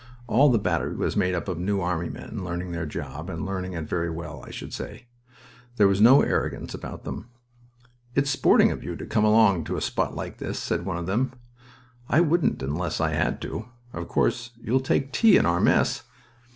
All the battery was made up of New Army men learning their job, and learning it very well, I should say. There was no arrogance about them. "It's sporting of you to come along to a spot like this," said one of them. "I wouldn't unless I had to. Of course you'll take tea in our mess?"